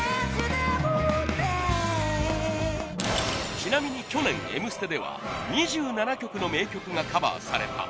ちなみに去年『Ｍステ』では２７曲の名曲がカバーされた。